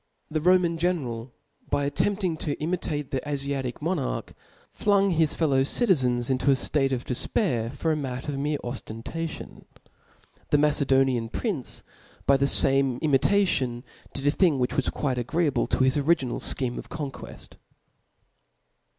The Roman general, by attempting Co imitate the Afiatic monarch, flung his fellow cid*' zens into a ftate of defpair for 9 matter of mere oftentation ^ the Macedonian prince, by the fame imitation, did a thing which was quite agreeable to his origii^al ^heme of conqueft.